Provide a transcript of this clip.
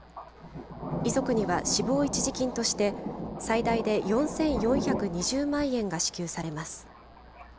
遺族には死亡一時金として、最大で４４２０万円が支給されます。